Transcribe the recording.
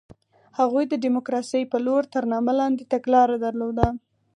هغوی د ډیموکراسۍ په لور تر نامه لاندې تګلاره درلوده.